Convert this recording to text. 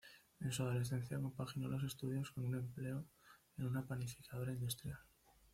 En su adolescencia compaginó los estudios con un empleo en una panificadora industrial.